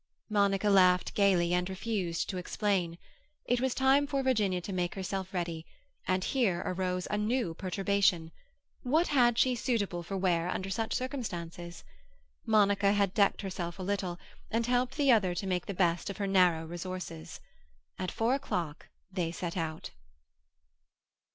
Monica laughed gaily, and refused to explain. It was time for Virginia to make herself ready, and here arose a new perturbation; what had she suitable for wear under such circumstances? Monica had decked herself a little, and helped the other to make the best of her narrow resources. At four o'clock they set out.